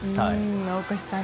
大越さん